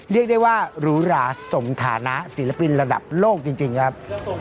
เรียกได้ว่าหรูหราสมฐานะศิลปินระดับโลกจริงครับ